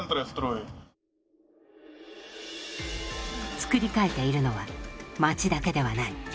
造り替えているのは街だけではない。